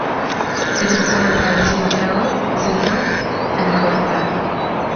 It is bordered by Teocelo, Xico and Coatepec.